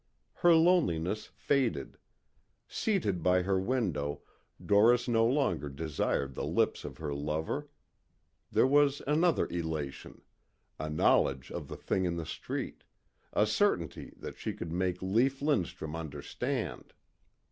Her loneliness faded. Seated by her window Doris no longer desired the lips of her lover. There was another elation ... a knowledge of the thing in the street, a certainty that she could make Lief Lindstrum understand.